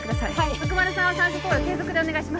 徳丸さんは酸素投与継続でお願いします